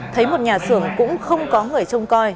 thấy một nhà xưởng cũng không có người trông coi